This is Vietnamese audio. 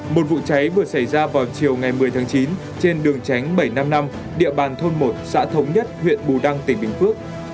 một vụ cháy vừa xảy ra vào chiều ngày một mươi tháng chín trên đường tránh bảy trăm năm mươi năm địa bàn thôn một xã thống nhất huyện bù đăng tỉnh bình phước